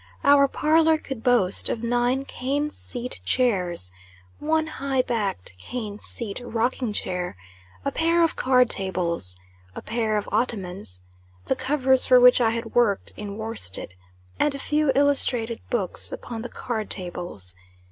Our parlor could boast of nine cane seat chairs; one high backed cane seat rocking chair; a pair of card tables; a pair of ottomans, the covers for which I had worked in worsted; and a few illustrated books upon the card tables.